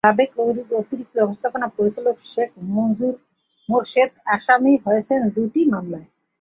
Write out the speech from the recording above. সাবেক অতিরিক্ত ব্যবস্থাপনা পরিচালক শেখ মঞ্জুর মোরশেদ আসামি হয়েছেন দুটি মামলায়।